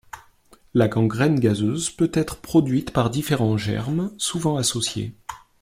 La gangrène gazeuse peut être produite par différents germes, souvent associés.